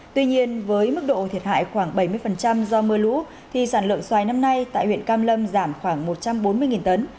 tuy nhiên với mức độ thiệt hại khoảng bảy mươi do mưa lũ thì sản lượng xoài năm nay tại huyện cam lâm giảm khoảng một trăm bốn mươi tấn